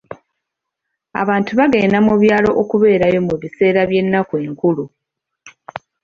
Abantu bagenda mu byalo okubeerayo mu biseera by'ennaku enkulu